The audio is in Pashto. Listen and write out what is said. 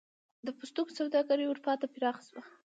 د پوستکي سوداګري اروپا ته پراخه شوه.